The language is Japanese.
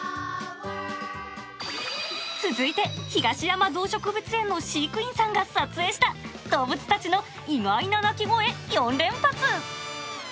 続いて東山動植物園の飼育員さんが撮影した動物たちの意外な鳴き声４連発！